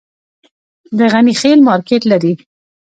د غني خیل مارکیټ لري